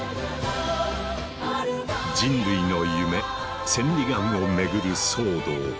人類の夢千里眼を巡る騒動。